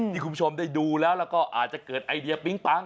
คุณผู้ชมได้ดูแล้วแล้วก็อาจจะเกิดไอเดียปิ๊งปั๊ง